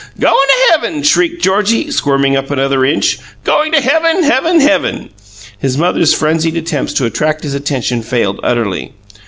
"Going to heaven!" shrieked Georgie, squirming up another inch. "Going to heaven, heaven, heaven!" His mother's frenzied attempts to attract his attention failed utterly.